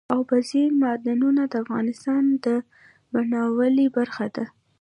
اوبزین معدنونه د افغانستان د بڼوالۍ برخه ده.